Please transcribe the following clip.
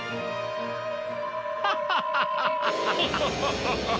ハハハハハ！